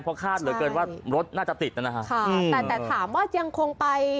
เพราะคาดเหลือเกินว่ารถน่าจะติดนะฮะค่ะแต่แต่ถามว่ายังคงไป